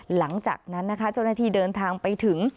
หลังจากนั้นนะคะเจ้าหน้าที่เดินทางไปถึง